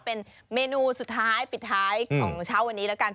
เป็นเมนูสุดท้ายปิดท้ายของเช้าวันนี้แล้วกัน